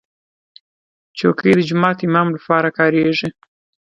چوکۍ د جومات امام لپاره کارېږي.